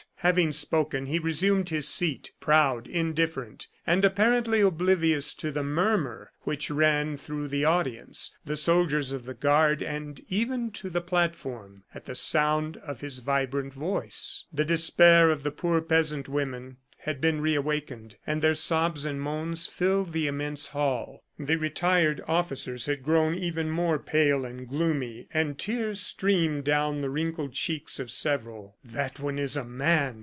Having spoken, he resumed his seat, proud, indifferent, and apparently oblivious to the murmur which ran through the audience, the soldiers of the guard and even to the platform, at the sound of his vibrant voice. The despair of the poor peasant women had been reawakened, and their sobs and moans filled the immense hall. The retired officers had grown even more pale and gloomy; and tears streamed down the wrinkled cheeks of several. "That one is a man!"